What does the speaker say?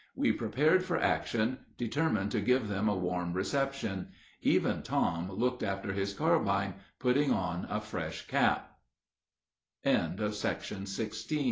We prepared for action, determined to give them a warm reception. Even Tom looked after his carbine, putting on a fresh cap. Though outnumbered three to one, sti